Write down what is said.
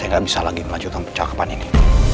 saya tidak bisa lagi memanjakan percakapan ini